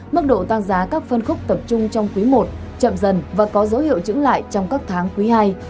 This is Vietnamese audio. mức độ tăng giá các phân khúc tập trung trong quý một chậm dần và có dấu hiệu chứng lại trong các tháng quý hai